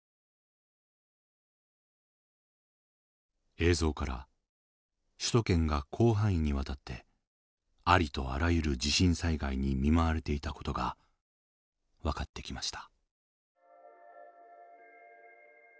映像から首都圏が広範囲にわたってありとあらゆる地震災害に見舞われていた事が分かってきました。